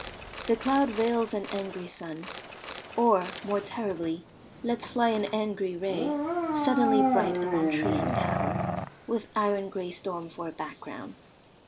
The cloud veils an angry sun, or, more terribly, lets fly an angry ray, suddenly bright upon tree and tower, with iron grey storm for a background.